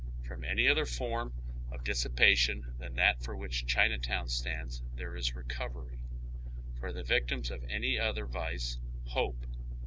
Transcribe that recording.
From any otJier form of dissipation than that for which China town stands there is recovery ; for the victims of any other vice, hope.